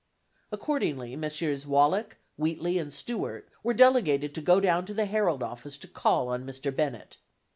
Accordingly, Messrs. Wallack, Wheatley and Stuart were delegated to go down to the Herald office to call on Mr. Bennett.